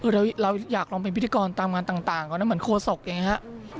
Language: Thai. เราอยากรองเป็นพิธีกรตามงานต่างก็เหมือนโคศกอย่างนี้ครับ